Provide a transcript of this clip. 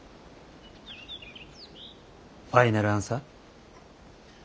ファイナルアンサー？